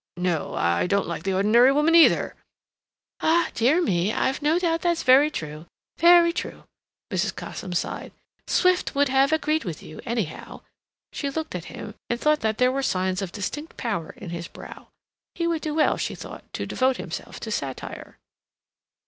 "No, I don't like the ordinary woman either—" "Ah, dear me, I've no doubt that's very true, very true." Mrs. Cosham sighed. "Swift would have agreed with you, anyhow—" She looked at him, and thought that there were signs of distinct power in his brow. He would do well, she thought, to devote himself to satire.